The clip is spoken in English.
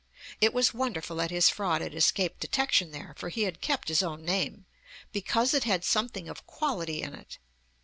It was wonderful that his fraud had escaped detection there, for he had kept his own name, 'because it had something of quality in it' (p.